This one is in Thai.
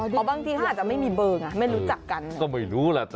เพราะบางทีเขาอาจจะไม่มีเบอร์ไม่รู้จักกัน